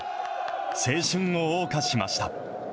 青春をおう歌しました。